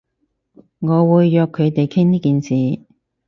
我會約佢哋傾呢件事